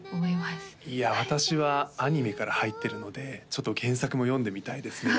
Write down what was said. いや私はアニメから入ってるのでちょっと原作も読んでみたいです